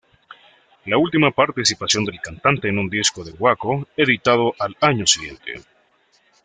La última participación del cantante en un disco de Guaco editado al año siguiente.